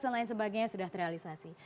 dan lain sebagainya sudah terrealisasi